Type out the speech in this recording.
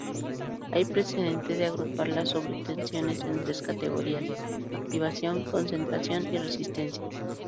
Hay precedente de agrupar las sobretensiones en tres categorías: activación, concentración y resistencia.